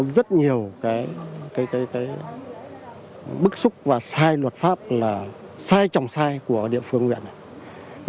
rất nhiều cái bức xúc và sai luật pháp là sai trọng sai của địa phương huyện này